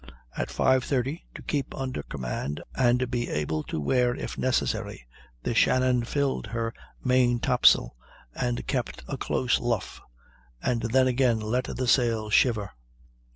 At 5.30, to keep under command and be able to wear if necessary, the Shannon filled her main top sail and kept a close luff, and then again let the sail shiver.